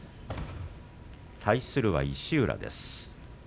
対するは石浦です。